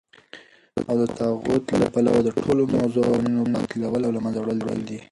او دطاغوت له پلوه دټولو موضوعه قوانينو باطلول او له منځه وړل دي .